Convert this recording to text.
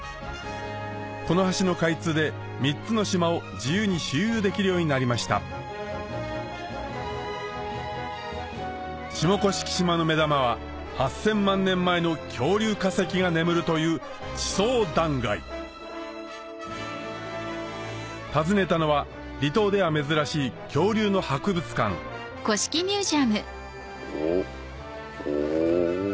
この橋の開通で３つの島を自由に周遊できるようになりました下甑島の目玉は８０００万年前の恐竜化石が眠るという訪ねたのは離島では珍しい恐竜の博物館おっお。